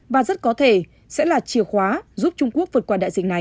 và rất có thể sẽ là chìa khóa giúp trung quốc vượt qua đại dịch này